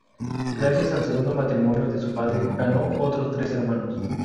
Gracias al segundo matrimonio de su padre, ganó otros tres hermanos.